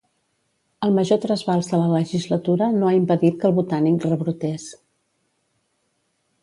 El major trasbals de la legislatura no ha impedit que el Botànic rebrotés.